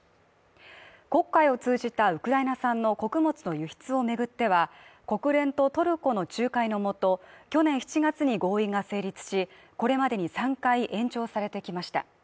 黒海を通じたウクライナ産の穀物の輸出を巡っては、国連とトルコの仲介のもと、去年７月に合意が成立し、これまでに３回延長されてきました。